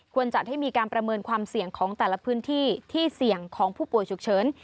จัดให้มีการประเมินความเสี่ยงของแต่ละพื้นที่ที่เสี่ยงของผู้ป่วยฉุกเฉิน